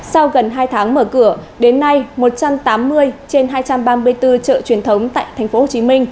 sau gần hai tháng mở cửa đến nay một trăm tám mươi trên hai trăm ba mươi bốn chợ truyền thống tại tp hcm